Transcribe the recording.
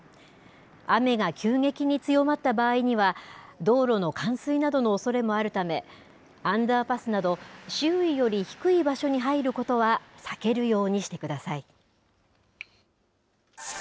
雨が急激に強まった場合には道路の冠水などのおそれもあるためアンダーパスなど周囲より低い場所に入ることは避けるようにしてください。